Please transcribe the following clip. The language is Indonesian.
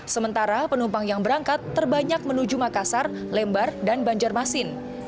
sementara penumpang yang berangkat terbanyak menuju makassar lembar dan banjarmasin